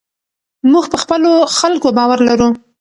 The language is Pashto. موږ په خپلو خلکو باور لرو.